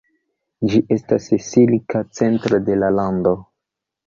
Ĝi estas silka centro de la lando.